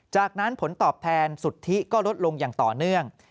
จากนั้นผลตอบแทนสุทธิก็ลดลงอย่างต่อเนื่อง